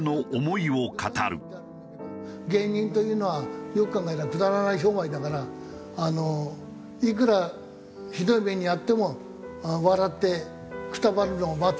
「芸人というのはよく考えたらくだらない商売だからいくらひどい目に遭っても笑ってくたばるのを待つ」って。